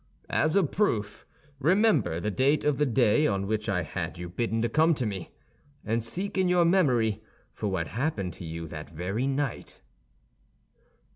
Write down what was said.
As a proof, remember the date of the day on which I had you bidden to come to me, and seek in your memory for what happened to you that very night."